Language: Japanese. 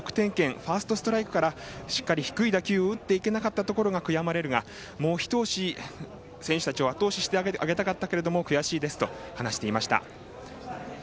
ファーストストライクからしっかり低い打球を打っていけなかったことが悔やまれるがもう一押し選手たちをあと押ししたかったけども悔しいですと話していました。